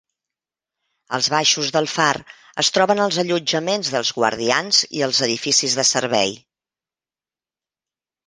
Als baixos del far es troben els allotjaments dels guardians i els edificis de servei.